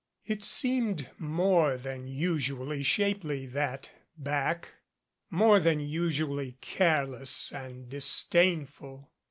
It seemed more than usually shapely, that back, more than usually careless and disdainful.